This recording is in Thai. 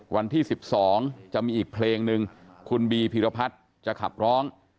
วันที่๑๒จะมีอีกเพลงหนึ่งคุณบีพีรพัฒน์จะขับร้อง